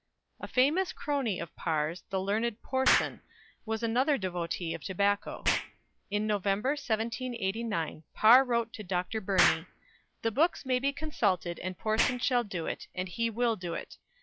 A famous crony of Parr's, the learned Porson, was another devotee of tobacco. In November 1789 Parr wrote to Dr. Burney: "The books may be consulted, and Porson shall do it, and he will do it.